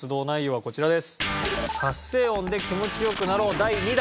こちらです。